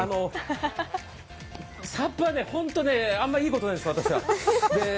ＳＵＰはホント、あんまりいいことないんです、私は。